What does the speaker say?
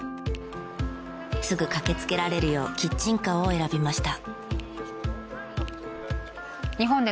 すぐ駆け付けられるようキッチンカーを選びました。